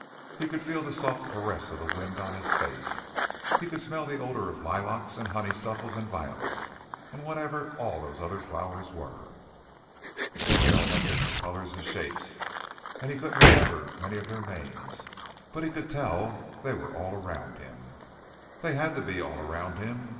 He could feel the soft caress of the wind on his face, and he could smell the odor of lilacs and honeysuckles and violets and whatever all those other flowers were. They had all different colors and shapes, and he couldn't remember many of their names, but he could tell they were all around him. They had to be all around him.